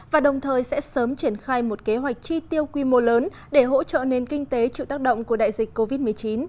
và đồng thời sẽ sớm triển khai một kế hoạch chi tiêu quy mô lớn để hỗ trợ nền kinh tế chịu tác động của đại dịch covid một mươi chín